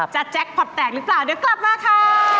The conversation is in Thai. แจ็คพอร์ตแตกหรือเปล่าเดี๋ยวกลับมาค่ะ